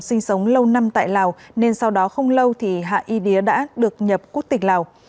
sinh sống lâu năm tại lào nên sau đó không lâu thì hạ y đía đã được nhập quốc tịch lào